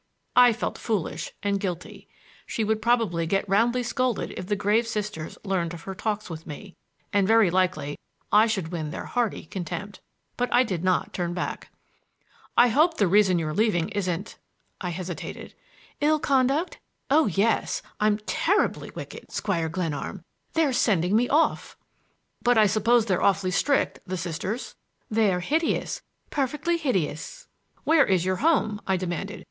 I felt foolish and guilty. She would probably get roundly scolded if the grave Sisters learned of her talks with me, and very likely I should win their hearty contempt. But I did not turn back. "I hope the reason you're leaving isn't—" I hesitated. "Ill conduct? Oh, yes; I'm terribly wicked, Squire Glenarm! They're sending me off." "But I suppose they're awfully strict, the Sisters." "They're hideous,—perfectly hideous." "Where is your home?" I demanded.